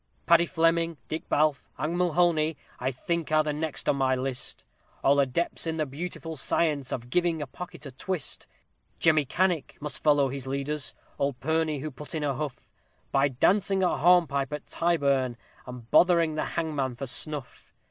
" PADDY FLEMING, DICK BALF, and MULHONI, I think are the next on my list, All adepts in the beautiful science of giving a pocket a twist; JEMMY CARRICK must follow his leaders, ould PURNEY who put in a huff, By dancing a hornpipe at Tyburn, and bothering the hangman for snuff.